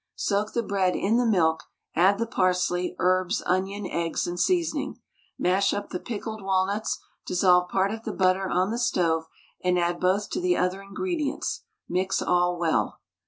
Soak the bread in the milk, add the parsley, herbs, onion, eggs and seasoning. Mash up the pickled walnuts, dissolve part of the butter on the stove and add both to the other ingredients; mix all well.